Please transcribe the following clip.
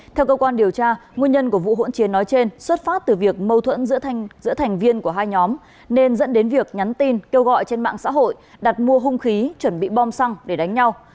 theo cơ quan điều tra nguyên nhân của vụ hỗn chiến nói trên xuất phát từ việc mâu thuẫn giữa thành viên của hai nhóm nên dẫn đến việc nhắn tin kêu gọi trên mạng xã hội đặt mua hung khí chuẩn bị bom xăng để đánh nhau